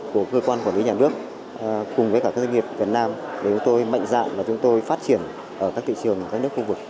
của cơ quan quản lý nhà nước cùng với cả các doanh nghiệp việt nam để chúng tôi mạnh dạng là chúng tôi phát triển ở các thị trường các nước khu vực